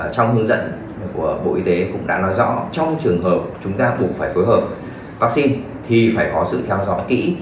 trong hướng dẫn của bộ y tế cũng đã nói rõ trong trường hợp chúng ta buộc phải phối hợp vaccine thì phải có sự theo dõi kỹ